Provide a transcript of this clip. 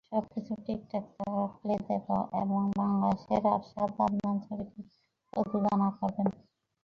সবকিছু ঠিকঠাক থাকলে দেব এবং বাংলাদেশের আরশাদ আদনান ছবিটি প্রযোজনা করবেন।